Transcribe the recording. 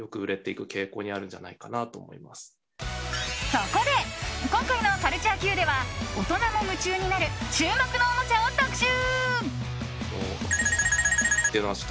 そこで今回のカルチャーＱでは大人も夢中になる注目のおもちゃを特集。